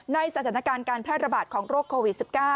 สถานการณ์การแพร่ระบาดของโรคโควิด๑๙